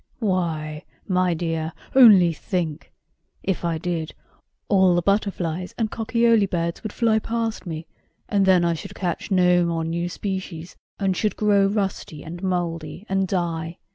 "Why, my dear, only think. If I did, all the butterflies and cockyolybirds would fly past me, and then I should catch no more new species, and should grow rusty and mouldy, and die.